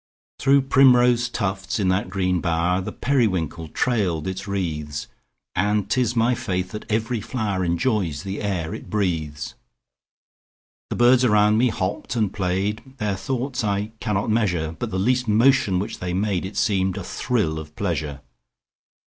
Through primrose tufts, in that green bower, The periwinkle trailed its wreaths; And 'tis my faith that every flower Enjoys the air it breathes. The birds around me hopped and played, Their thoughts I cannot measure: But the least motion which they made It seemed a thrill of pleasure.